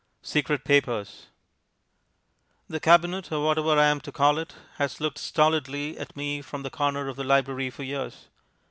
Secret Papers The cabinet, or whatever I am to call it, has looked stolidly at me from the corner of the library for years.